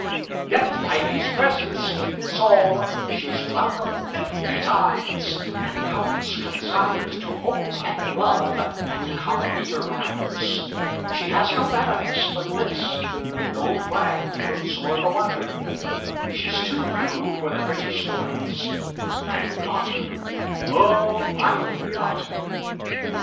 Yet by these presents witness all She's welcome fifty times, And comes consigned to Hope and Love And common meter rhymes. She has no manifest but this, No flag floats o'er the water, She's too new for the British Lloyds My daughter, O my daughter!